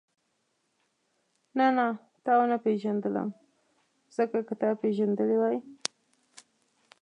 نه نه تا ونه پېژندلم ځکه که تا پېژندلې وای.